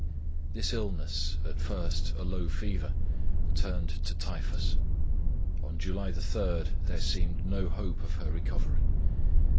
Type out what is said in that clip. "This illness, at first a low fever, turned to typhus. On July 3rd there seemed no hope of her recovery.